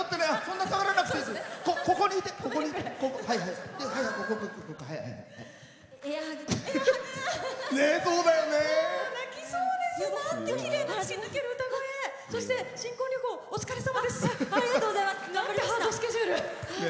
なんてハードスケジュール。